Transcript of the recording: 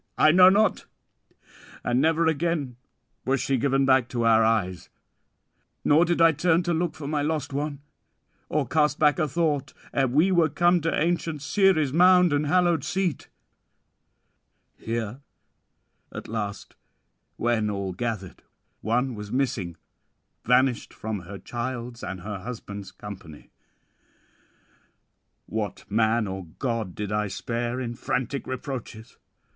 I know not; and never again was she given back to our eyes; nor did I turn to look for my lost one, or cast back a thought, ere we were come to ancient Ceres' mound and hallowed seat; here at last, when all gathered, one was missing, vanished from her child's and her husband's company. What man or god did I spare in frantic reproaches?